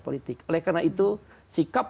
politik oleh karena itu sikap